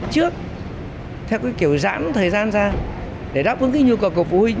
trước theo cái kiểu giãn thời gian ra để đáp ứng cái nhu cầu của phụ huynh